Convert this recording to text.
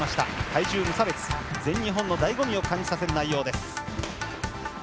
体重無差別、全日本のだいご味を感じさせる内容です。